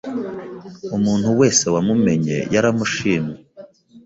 Umuntu wese wamumenye yaramushimye.